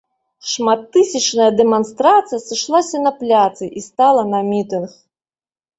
Шматтысячная дэманстрацыя сышлася на пляцы і стала на мітынг.